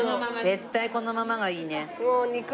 絶対このままがいいね。